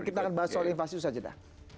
kita akan bahas soal invasi usaha jeda